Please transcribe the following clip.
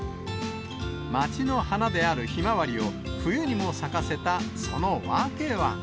町の花であるひまわりを、冬にも咲かせたその訳は。